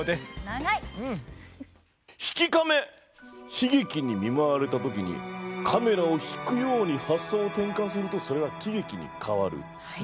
悲劇に見舞われたときにカメラを引くように発想を転換するとそれは喜劇に変わる。